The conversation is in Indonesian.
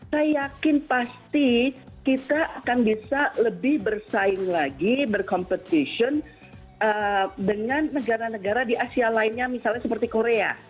saya yakin pasti kita akan bisa lebih bersaing lagi berkompetisi dengan negara negara di asia lainnya misalnya seperti korea